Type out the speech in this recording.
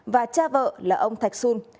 và cha vợ là ông thạch xuân